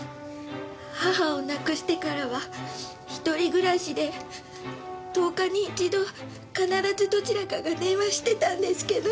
母を亡くしてからは一人暮らしで１０日に一度必ずどちらかが電話してたんですけど。